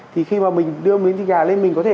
thì khi mà mình đưa miếng thịt gà lên mình có thể